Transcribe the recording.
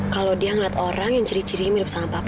kalau dia melihat orang yang ciri cirinya mirip sama papa